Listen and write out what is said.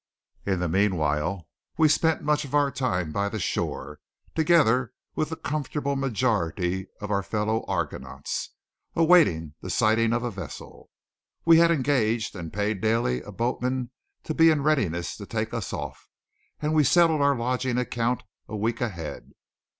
In the meanwhile we spent much of our time by the shore, together with a comfortable majority of our fellow argonauts, awaiting the sighting of a vessel. We had engaged, and paid daily, a boatman to be in readiness to take us off; and we settled our lodgings account a week ahead.